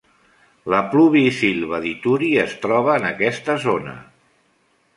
La pluviïsilva d'Ituri es troba en aquesta zona.